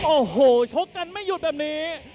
โอ้โหชกกันไม่หยุดแบบนี้